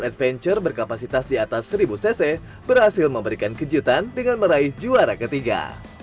adventure berkapasitas di atas seribu cc berhasil memberikan kejutan dengan meraih juara ketiga